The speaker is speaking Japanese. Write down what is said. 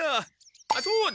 あっそうだ！